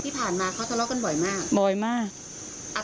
ที่ผ่านมาเขาทะเลาะกันบ่อยมากบ่อยมาก